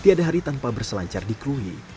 tiada hari tanpa berselancar di krui